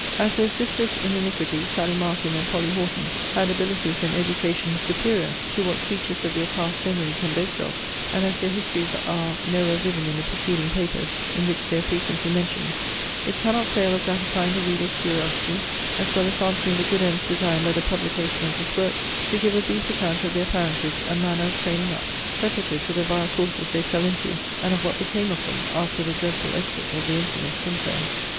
As those sisters in iniquity, SALLY MARTIN and POLLY HORTON, had abilities and education superior to what creatures of their cast generally can boast of; and as their histories are no where given in the preceding papers, in which they are frequently mentioned; it cannot fail of gratifying the reader's curiosity, as well as answering the good ends designed by the publication of this work, to give a brief account of their parentage, and manner of training up, preparative to the vile courses they fell into, and of what became of them, after the dreadful exit of the infamous Sinclair.